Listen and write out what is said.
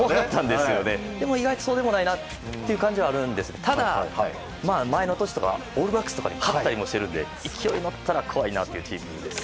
でも、意外とそうでもないなというあるんですが前の年とか、オールブラックスに勝ったりしてるので勢いに乗ったら怖いなというチームです。